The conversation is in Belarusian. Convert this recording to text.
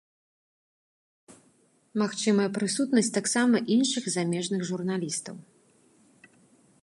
Магчымая прысутнасць таксама іншых замежных журналістаў.